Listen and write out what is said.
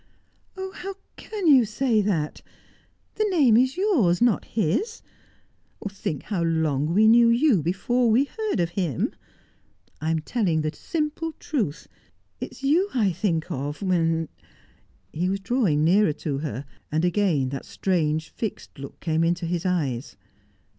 "Oh! How can you say that! The name is yours, not his. Think how long we knew you before we heard of him! I am telling the simple truth. It is you I think of, when " He was drawing nearer to her, and again that strange, fixed look came into his eyes.